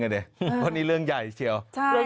เพราะนี่เรื่องใหญ่เชียว